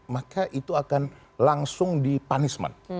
maka itu akan langsung di punishment